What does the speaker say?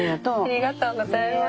ありがとうございます。